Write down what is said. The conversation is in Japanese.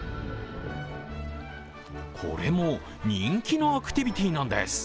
これも人気のアクティビティーなんです。